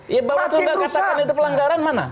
ya bahwa suhu gak katakan itu pelanggaran mana